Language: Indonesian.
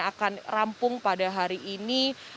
yang hanya akan rampung pada hari ini